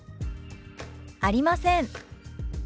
「ありません」。